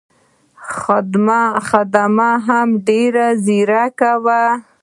خدمه هم ډېره ځیرکه وه.